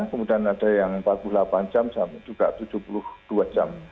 kemudian ada yang pagu delapan jam dan juga tujuh puluh dua jam